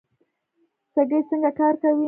سږي څنګه کار کوي؟